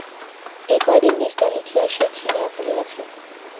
এ কয়দিন বিস্তর লিখিয়া সে ছিঁড়িয়া ফেলিয়াছে।